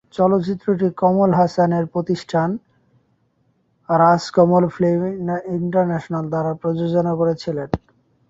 চলচ্চিত্রটি কমল হাসান তার প্রতিষ্ঠান 'রাজ কমল ফিল্মস ইন্টারন্যাশনাল' দ্বারা প্রযোজনা করেছিলেন।